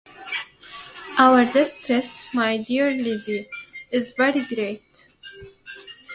Our distress, my dear Lizzy, is very great.